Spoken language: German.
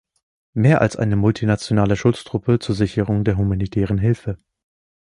Mehr als eine multinationale Schutztruppe zur Sicherung der humanitären Hilfe!